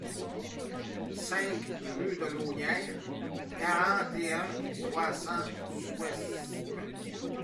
cinq rue de l'Aulnière, quarante et un, trois cents, Souesmes